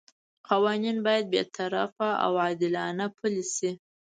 قوانین باید بې طرفه او عادلانه پلي شي.